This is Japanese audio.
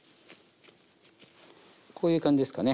こういう感じですかね